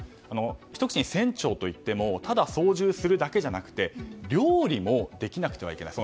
ひと口に船長といってもただ操縦するだけじゃなくて料理もできなくてはいけない。